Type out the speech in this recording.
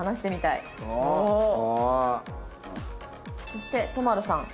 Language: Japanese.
そして都丸さん。